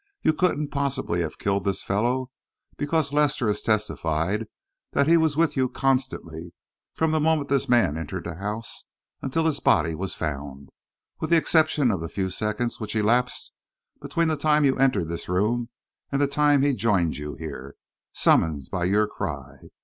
You couldn't possibly have killed this fellow because Lester has testified that he was with you constantly from the moment this man entered the house until his body was found, with the exception of the few seconds which elapsed between the time you entered this room and the time he joined you here, summoned by your cry.